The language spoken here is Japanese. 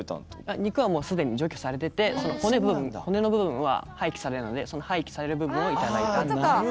肉はすでに除去されていて骨の部分は廃棄されるので廃棄される部分をいただいた。